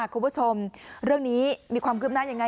คุณผู้ชมเรื่องนี้มีความคืบหน้ายังไง